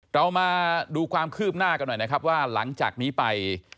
เรามาดูความคืบหน้ากันหน่อยนะครับว่าหลังจากนี้ไป